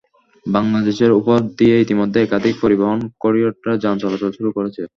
বাংলাদেশের ওপর দিয়ে ইতিমধ্যেই একাধিক পরিবহন করিডরে যান চলাচল শুরু করেছে।